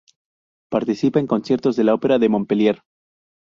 Participa en conciertos de La Opera de Montpellier.